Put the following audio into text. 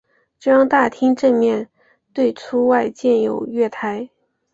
中央大厅正面对出处建有月台。